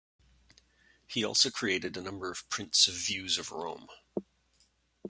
He also created a number of prints of views of Rome.